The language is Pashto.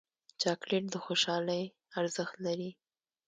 چاکلېټ د خوشحالۍ ارزښت لري